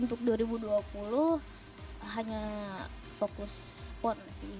untuk dua ribu dua puluh hanya fokus pon sih